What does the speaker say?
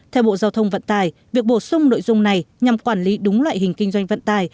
theo bộ giao thông vận tải việc bổ sung nội dung này nhằm quản lý đúng loại hình kinh doanh vận tải